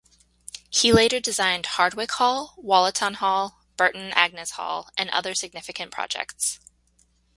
He later designed Hardwick Hall, Wollaton Hall, Burton Agnes Hall, and other significant projects.